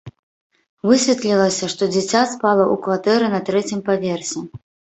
Высветлілася, што дзіця спала ў кватэры на трэцім паверсе.